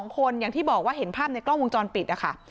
๒คนอย่างที่บอกว่าเห็นภาพในกล้องวงจรปิดนะคะ